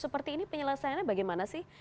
seperti ini penyelesaiannya bagaimana sih